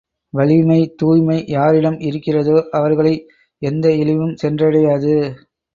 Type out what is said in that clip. வலிமை, தூய்மை யாரிடம் இருக்கிறதோ அவர்களை எந்த இழிவும் சென்றடையாது.